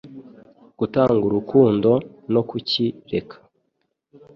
gutanga urukundo no kuki reka